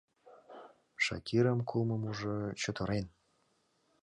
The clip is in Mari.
Шакирым кылмымужо чытырен.